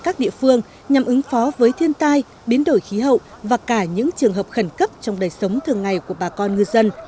các địa phương nhằm ứng phó với thiên tai biến đổi khí hậu và cả những trường hợp khẩn cấp trong đời sống thường ngày của bà con ngư dân